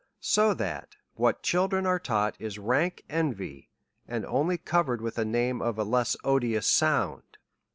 So that what children are taught, is rank envy, and only covered with a name of a less odious sound.